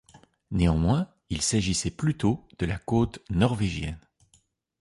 Néanmoins, il s'agissait plutôt de la côte norvégienne.